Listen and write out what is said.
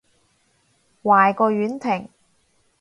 壞過婉婷